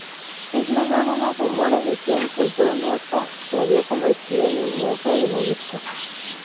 Incluso algunos rumores decían que John Otto se había convertido en un monje benedictino.